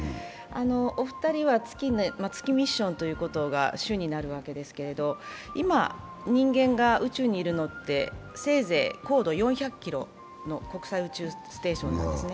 お二人は月ミッションが主になるわけですけれども、今、人間が宇宙にいるのって、せいぜい高度４００ｋｍの国際宇宙ステーションなんですね。